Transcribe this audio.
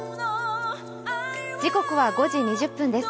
時刻は５時２０分です。